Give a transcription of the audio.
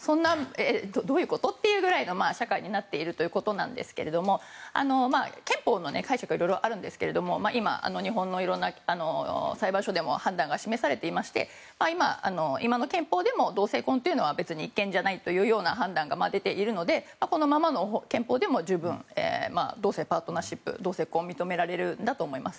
どういうこと？という社会になっているんですけども憲法の解釈はいろいろとあるんですが今、日本のいろんな裁判所でも判断が示されていまして今の憲法でも同性婚というのは別に違憲じゃないというような判断が出ているのでこのままの憲法でも十分、同パートナーシップ同性婚が認められると思います。